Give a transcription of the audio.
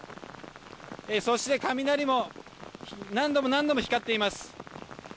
そして、雷も何度も何度も光っています。